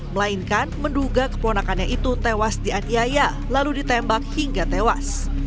melainkan menduga keponakannya itu tewas dianiaya lalu ditembak hingga tewas